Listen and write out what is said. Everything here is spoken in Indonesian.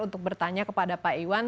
untuk bertanya kepada pak iwan